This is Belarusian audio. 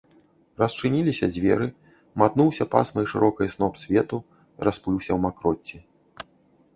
Расчыніліся дзверы, матнуўся пасмай шырокай сноп свету, расплыўся ў макроцці.